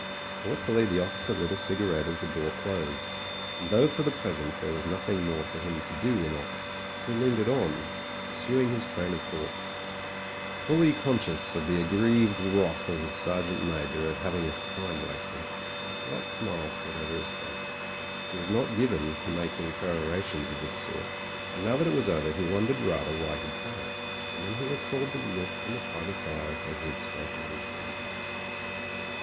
Thoughtfully the officer lit a cigarette as the door closed, and though for the present there was nothing more for him to do in office, he lingered on, pursuing his train of thoughts. Fully conscious of the ag grieved wrath of his Sergeant Major at having his time wasted, a slight smile spread over his face. He was not given to making perorations of this sort, and now that it was over he wondered rather why he'd done it And then he recalled the look in the private's eyes as he had spoken of his dreams.